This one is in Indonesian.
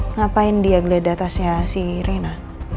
ngapain dia geledah tasnya si rena